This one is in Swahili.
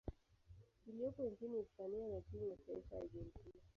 iliyopo nchini Hispania na timu ya taifa ya Argentina.